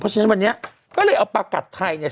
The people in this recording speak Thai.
เพราะฉะนั้นวันนี้ก็เลยเอาประกัดไทยเนี่ย